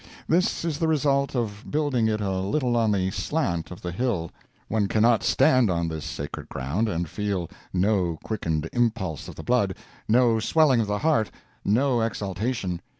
This is the result of building it a little on the slant of the hill. One cannot stand on this sacred ground and feel no quickened impulse of the blood, no swelling of the heart, no exaltation.